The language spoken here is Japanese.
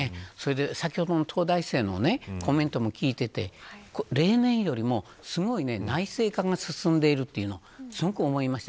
先ほどの東大生のコメントも聞いていて例年よりもすごい内省化が進んでいるというのを思いました。